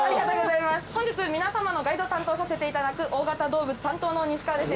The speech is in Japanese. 本日皆さまのガイドを担当させていただく大型動物担当の西川です